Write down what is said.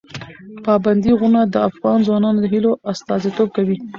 پابندی غرونه د افغان ځوانانو د هیلو استازیتوب کوي.